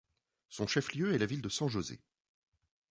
Son chef-lieu est la ville de San José.